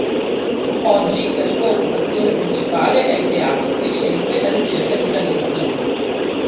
Oggi la sua occupazione principale è il teatro e, sempre, la ricerca di talenti.